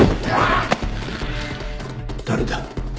誰だ？